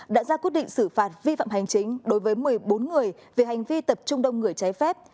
đã ra quyết định xử phạt vi phạm hành chính đối với một mươi bốn người về hành vi tập trung đông người trái phép